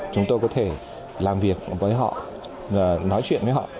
chúng tôi có thể làm việc với họ nói chuyện với họ